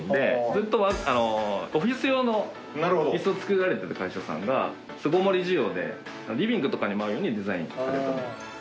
ずっとオフィス用の椅子を作られてた会社さんが巣ごもり需要でリビングとかにも合うようにデザインされた。